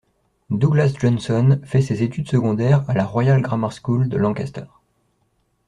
Douglas Johnson fait ses études secondaires à la Royal Grammar School de Lancaster.